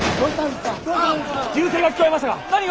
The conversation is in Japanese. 銃声が聞こえましたが！？